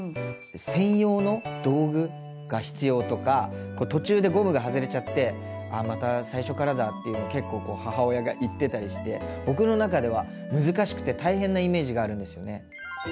「専用の道具が必要」とか「途中でゴムが外れちゃってあまた最初からだ」っていうの結構こう母親が言ってたりして僕の中では難しくて大変なイメージがあるんですよね。